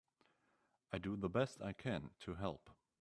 I do the best I can to help.